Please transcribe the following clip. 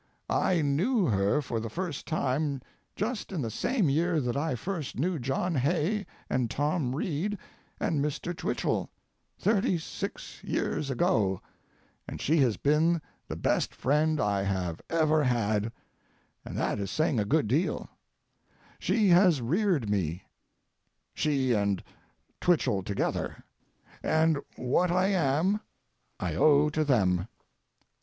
I knew her for the first time just in the same year that I first knew John Hay and Tom Reed and Mr. Twichell—thirty six years ago—and she has been the best friend I have ever had, and that is saying a good deal; she has reared me—she and Twichell together—and what I am I owe to them.